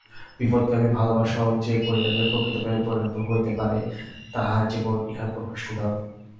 বিপথগামী ভালবাসাও যে পরিণামে প্রকৃত প্রেমে পরিণত হইতে পারে তাঁহার জীবন উহার প্রকৃষ্ট উদাহরণ।